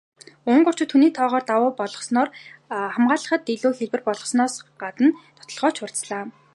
Унгарчууд хүний тоогоор давуу болсноороо хамгаалахад илүү хялбар болсноос гадна довтолгоо ч хурдаслаа.